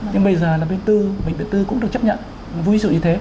nhưng bây giờ là bệnh tư cũng được chấp nhận với sự như thế